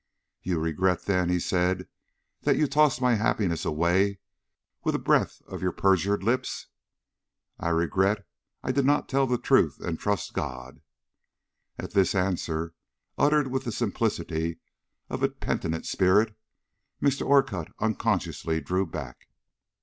"You regret, then," he said, "that you tossed my happiness away with a breath of your perjured lips?" "I regret I did not tell the truth and trust God." At this answer, uttered with the simplicity of a penitent spirit, Mr. Orcutt unconsciously drew back.